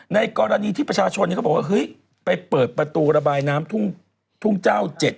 ในกรณีที่ประชาชนเขาบอกว่าเฮ้ยไปเปิดประตูระบายน้ำทุ่งเจ้า๗